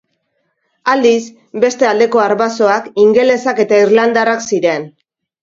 Aldiz, beste aldeko arbasoak ingelesak eta irlandarrak ziren.